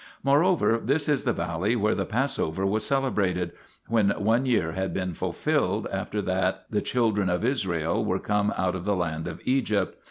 Moreover this is the valley where the Passover was celebrated when one year had been fulfilled after that the children of Israel were come out of the land of Egypt.